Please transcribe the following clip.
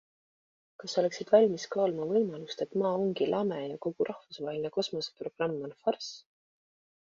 Kas sa oleksid valmis kaaluma võimalust, et Maa ongi lame ja kogu rahvusvaheline kosmoseprogramm on farss?